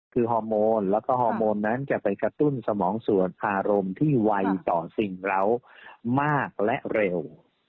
คือฮอร์โมนแล้วก็ฮอร์โมนนั้นจะไปกระตุ้นสมองส่วนอารมณ์ที่ไวต่อสิ่งเหล้ามากและเร็ว